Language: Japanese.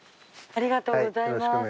ありがとうございます。